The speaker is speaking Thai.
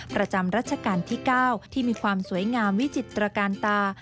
ประจำรัชกาลที่๙ที่มีความสวยงามวิจิตรการตา